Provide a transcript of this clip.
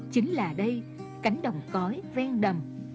chính là đây cánh đồng cói ven đầm